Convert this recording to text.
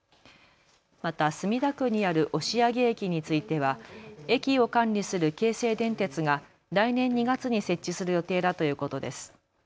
また墨田区にある押上駅については駅を管理する京成電鉄が来年２月に設置する予定だということです。